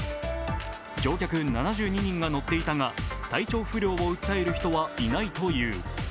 乗客７２人が乗っていたが、体調不良を訴える人はいないという。